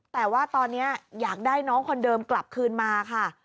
แต่ว่าตอนนี้อยากได้น้องคนเดิมกลับคืนมาค่ะ